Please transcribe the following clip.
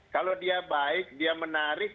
kalau dia baik dia menarik